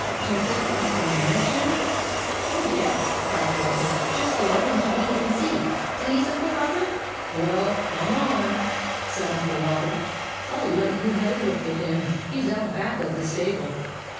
Do you think that you can manage him ?"" Oh, yes !" cried Walter. " Just give him to me and see. Please, Uncle Robert." " Well, come on," said Uncle Robert. " I '11 let you have a look at him. He's out back of the stable."